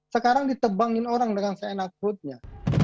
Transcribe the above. sekarang ditebangin orang dengan seenak putnya